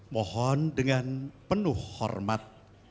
mohon dengan penuh hormat